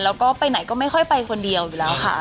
แล้วก็ไปไหนก็ไม่ค่อยไปคนเดียวอยู่แล้วค่ะ